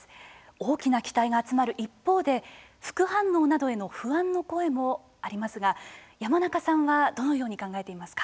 大きな期待が集まる一方で副反応などへの不安の声もありますが山中さんはどのように考えていますか。